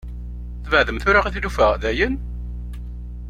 Tbeɛɛdem tura i tlufa, dayen?